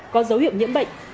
có dấu hiệu nhiễm bệnh